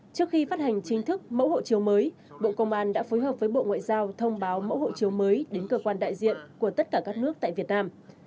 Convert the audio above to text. trước khi phát hành chính thức mẫu hộ chiếu mới bộ công an đã phối hợp với bộ ngoại giao thông báo mẫu hộ chiếu mới đến cơ quan đại diện của tất cả các nước tại việt nam